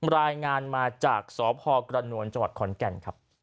รายงานมาจากสพกระนวลจขอนแก่น